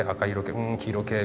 うん黄色系。